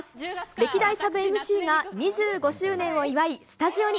歴代サブＭＣが２５周年を祝い、スタジオに。